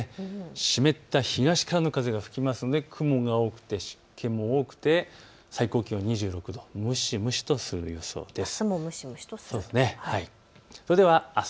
湿った東からの風が吹きますから雲が多くて湿気も多くて、最高気温２６度と蒸し蒸しとしそうです。